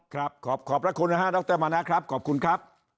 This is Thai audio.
ครับขอขอบพระคุณนะฮะดรมณะครับขอบคุณครับ